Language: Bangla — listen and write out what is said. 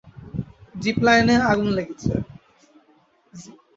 জিপ লাইনে আগুন লেগেছে।